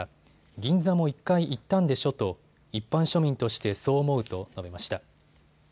銀座も１回行ったんでしょと一般庶民としてそう思うと述べました。